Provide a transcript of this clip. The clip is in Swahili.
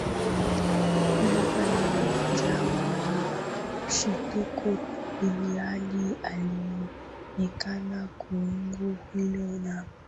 Jacob alijawa na mshituko ilihali alionekana kuijua ile namba